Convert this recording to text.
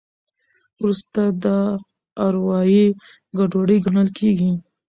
وروسته دا اروایي ګډوډي ګڼل کېږي.